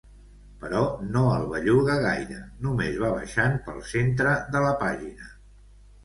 Però no el belluga gaire, només va baixant pel centre de la pàgina.